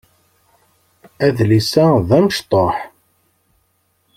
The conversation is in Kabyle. Adlis-a d amecṭuḥ.